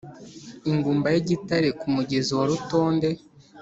Ingumba y' igitare ku mugezi wa Rutonde